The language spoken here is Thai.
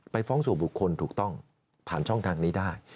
ฟ้องสู่บุคคลถูกต้องผ่านช่องทางนี้ได้